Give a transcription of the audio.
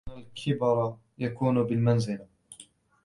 لِأَنَّ الْكِبْرَ يَكُونُ بِالْمَنْزِلَةِ